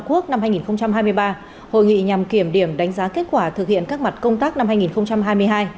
tổ quốc năm hai nghìn hai mươi ba hội nghị nhằm kiểm điểm đánh giá kết quả thực hiện các mặt công tác năm hai nghìn hai mươi hai